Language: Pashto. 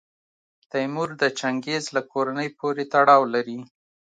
تیمور د چنګیز له کورنۍ پورې تړاو لري.